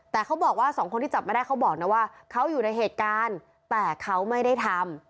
แต่เขาบอกว่าสองคนที่จับมาได้เขาบอกนะว่าเขาอยู่ในเหตุการณ์แต่เขาไม่ได้ทำ